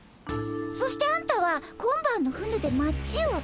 そしてあんたは今晩の船で町を出る。